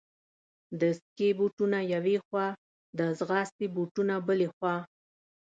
د سکې بوټونه یوې خوا، د ځغاستې بوټونه بلې خوا.